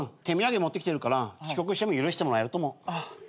手土産持ってきてるから遅刻しても許してもらえると思う。